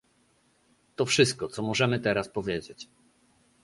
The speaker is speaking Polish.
To wszystko, co możemy teraz powiedzieć